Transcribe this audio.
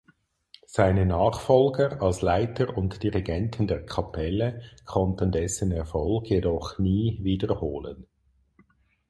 Seine Nachfolger als Leiter und Dirigenten der Kapelle konnten dessen Erfolg jedoch nie wiederholen.